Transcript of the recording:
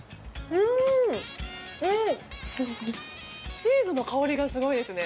チーズの香りがすごいですね。